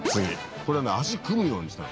これはね足組むようにしたの。